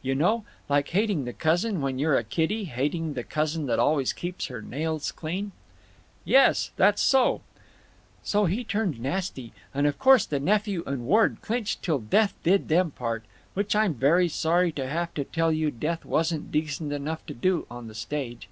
You know, like hating the cousin, when you're a kiddy, hating the cousin that always keeps her nails clean?" "Yes! That's so!" "So he turned nasty, and of course the nephew and ward clinched till death did them part—which, I'm very sorry to have to tell you, death wasn't decent enough to do on the stage.